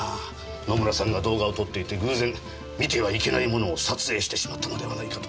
野村さんが動画を撮っていて偶然見てはいけないものを撮影してしまったのではないかと。